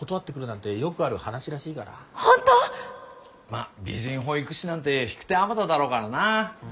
まあ美人保育士なんて引く手あまただろうからな。